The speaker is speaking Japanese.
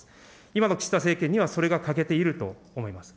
今の岸田政権には、それが欠けていると思います。